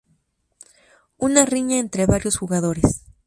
Una riña entre varios jugadores.